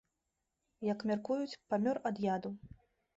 Як мяркуюць, памёр ад яду.